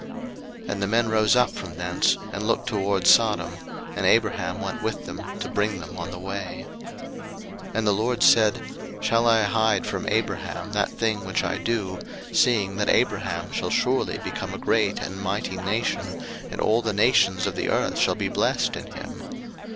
01:018:016 And the men rose up from thence, and looked toward Sodom: and Abraham went with them to bring them on the way. 01:018:017 And the LORD said, Shall I hide from Abraham that thing which I do; 01:018:018 Seeing that Abraham shall surely become a great and mighty nation, and all the nations of the earth shall be blessed in him?